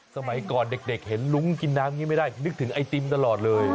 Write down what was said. สมัยก่อนเด็กเห็นลุ้งกินน้ำอย่างนี้ไม่ได้นึกถึงไอติมตลอดเลย